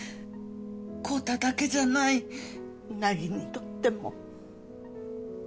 昂太だけじゃない凪にとっても。